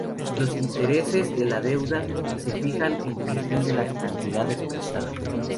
Los intereses de la deuda se fijan en función de las cantidades prestadas.